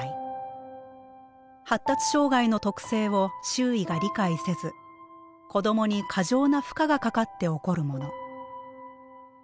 発達障害の特性を周囲が理解せず子どもに過剰な負荷がかかって起こるもの。